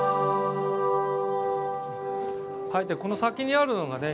じゃあこの先にあるのがね